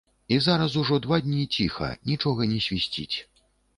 І зараз ужо два дні ціха, нічога не свісціць.